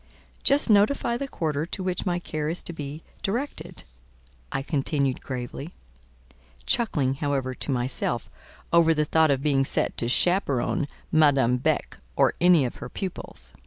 "Just notify the quarter to which my care is to be directed," I continued gravely: chuckling, however, to myself over the thought of being set to chaperon Madame Beck or any of her pupils.